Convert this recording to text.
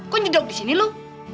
kok ngedok di sini lu